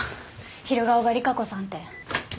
昼顔が利佳子さんって。